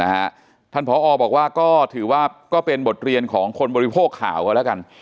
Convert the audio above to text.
ท่านผอบอกว่าก็ถือว่าก็เป็นบทเรียนของคนบริโภคข่าวก็แล้วกัน